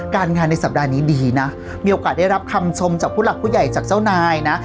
งานในสัปดาห์นี้ดีนะมีโอกาสได้รับคำชมจากผู้หลักผู้ใหญ่จากเจ้านายนะ